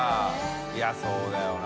いそうだよな。